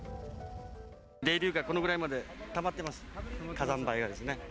泥流がこのぐらいまでたまってます、火山灰がですね。